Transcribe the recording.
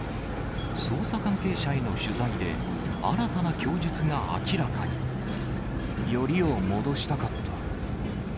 捜査関係者への取材で、新たな供よりを戻したかった。